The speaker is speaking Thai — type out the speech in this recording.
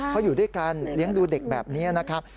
เขาอยู่ด้วยกันเลี้ยงดูเด็กแบบนี้นะครับ